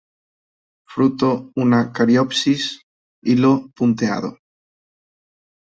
Fruto una cariopsis; hilo punteado.